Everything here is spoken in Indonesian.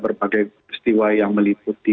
berbagai peristiwa yang meliputi